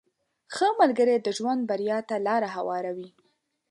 • ښه ملګری د ژوند بریا ته لاره هواروي.